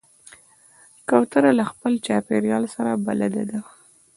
کوتره له خپل چاپېریال سره بلد ده.